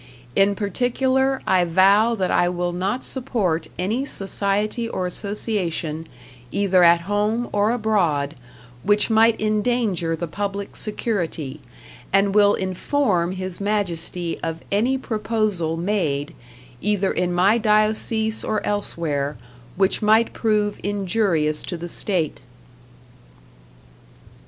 In particular I vow that I will not support any society or association, either at home or abroad, which might endanger the public security, and will inform His Majesty of any proposal made, either in my diocese or elsewhere, which might prove injurious to the State.